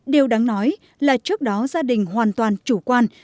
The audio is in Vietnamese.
điều đáng nói là trước đó gia đình hoàn toàn chủ quan